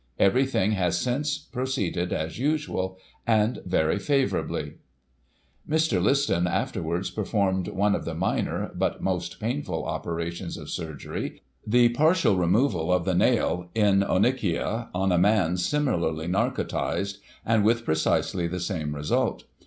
Everything has since proceeded as usual, and very favour ably. " Mr. Liston afterwards performed one of the minor — ^but most painful operations of surgery — the partial removal of the nail, in onychia, on a man similarly narcotised, and with pre cisely the same result.